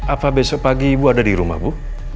apa besok pagi ibu ada di rumah bu